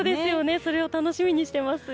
それを楽しみにしてます。